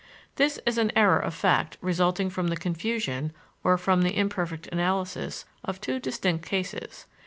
This is an error of fact resulting from the confusion, or from the imperfect analysis, of two distinct cases.